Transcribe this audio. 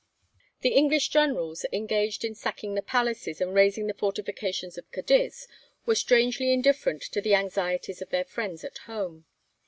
The English generals, engaged in sacking the palaces and razing the fortifications of Cadiz, were strangely indifferent to the anxieties of their friends at home.